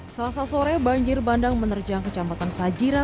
selasa sore banjir bandang menerjang ke campatan sajira